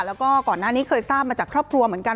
แล้วก็ก่อนหน้านี้เคยทราบมาจากครอบครัวเหมือนกัน